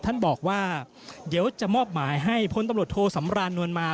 ท่านบอกว่าเดี๋ยวจะมอบหมายให้พลตำรวจโทสำรานนวลมา